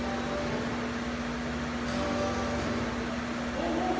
ワンワン！